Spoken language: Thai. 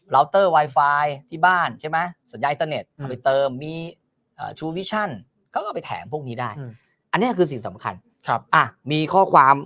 เตอร์ไวไฟที่บ้านใช่ไหมสัญญาอินเตอร์เน็ตเอาไปเติมมีชูวิชั่นเขาก็ไปแถมพวกนี้ได้อันนี้คือสิ่งสำคัญมีข้อความ